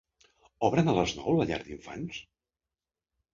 Obren a les nou la llar d'infants?